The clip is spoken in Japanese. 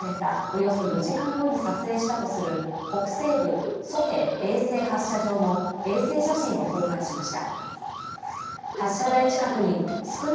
ノースは軍事偵察衛星が打ち上げられたおよそ４時間後に撮影したとする北西部、ソヘ衛星発射場の衛星写真を公開しました。